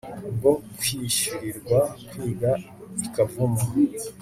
bwo kwishyurirwa kwiga i kavumu